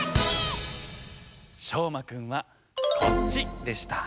しょうまくんはこっちでした。